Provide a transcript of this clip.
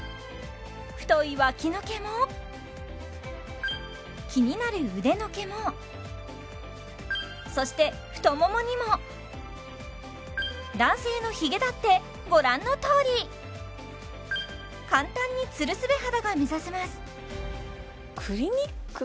太いワキの毛も気になる腕の毛もそして太ももにも男性のヒゲだってご覧のとおり簡単にツルスベ肌が目指せますクリニック